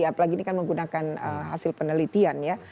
apalagi ini kan menggunakan hasil penelitian ya